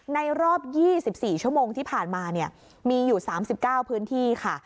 ในรอบ๒๔ชั่วโมงที่ผ่านมามีอยู่๓๙พื้นที่ค่ะ